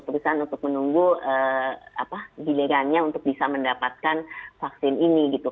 perusahaan untuk menunggu gilirannya untuk bisa mendapatkan vaksin ini gitu